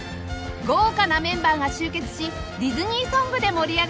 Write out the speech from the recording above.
豪華なメンバーが集結しディズニーソングで盛り上がります